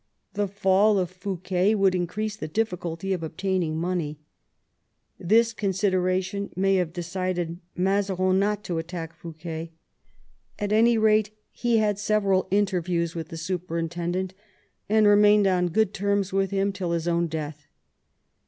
The fall of Fouquet would increase the difficulty of obtaining money. This consideration may have decided Mazarin not to attack Fouquet. At any rate he had several interviews with the superin tendent, and remained on good terms with him till his own death.